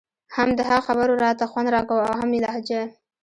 هم د هغه خبرو راته خوند راکاوه او هم يې لهجه.